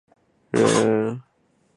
龚积柄是清朝举人。